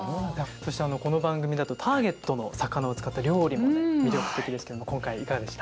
そしてこの番組だとターゲットの魚を使った料理もね魅力的ですけども今回いかがでした？